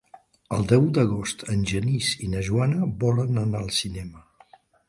El deu d'agost en Genís i na Joana volen anar al cinema.